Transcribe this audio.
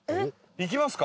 いきますか？